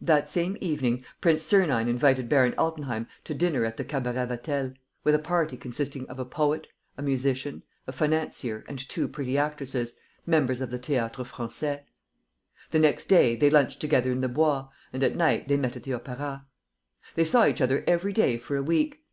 That same evening, Prince Sernine invited Baron Altenheim to dinner at the Cabaret Vatel, with a party consisting of a poet, a musician, a financier and two pretty actresses, members of the Théâtre Français. The next day, they lunched together in the Bois and, at night, they met at the Opéra. They saw each other every day for a week.